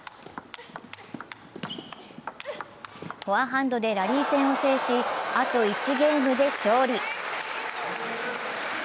フォアハンドでラリー戦を制し、あと１ゲームで勝利。